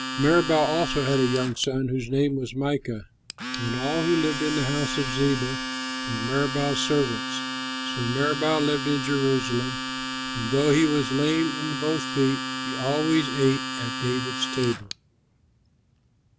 Meribaal also had a young son, whose name was Mica. And all who lived in the house of Ziba were Meribaal's servants. So Meribaal lived in Jerusalem, and though he was lame in both feet, he always ate at David's table.